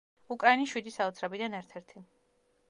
უკრაინის შვიდი საოცრებიდან ერთ-ერთი.